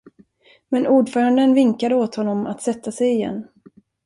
Men ordföranden vinkade åt honom att sätta sig igen.